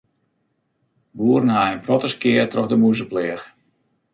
Boeren ha in protte skea troch de mûzepleach.